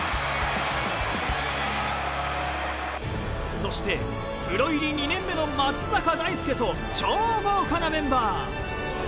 そしてプロ入り２年目の松坂大輔と超豪華なメンバー。